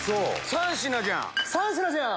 ３品じゃん！